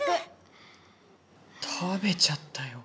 食べちゃったよ。